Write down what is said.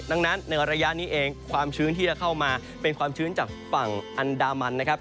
ดังนั้นในระยะนี้เองความชื้นที่จะเข้ามาเป็นความชื้นจากฝั่งอันดามันนะครับ